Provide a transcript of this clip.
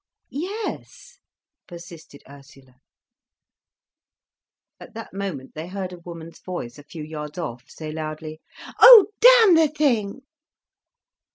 "Yes," persisted Ursula. At that moment they heard a woman's voice a few yards off say loudly: "Oh damn the thing!"